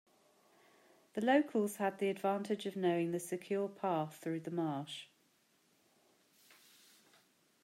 The locals had the advantage of knowing the secure path through the marsh.